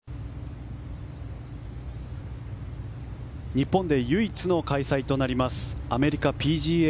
日本で唯一の開催となりますアメリカＰＧＡ